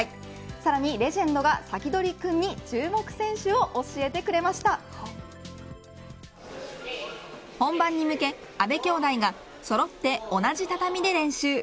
さらにレジェンドがサキドリくんに本番に向け、阿部きょうだいがそろって同じ畳で練習。